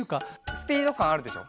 スピードかんあるでしょ。